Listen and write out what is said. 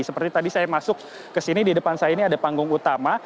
seperti tadi saya masuk ke sini di depan saya ini ada panggung utama